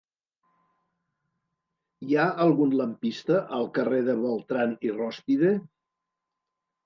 Hi ha algun lampista al carrer de Beltrán i Rózpide?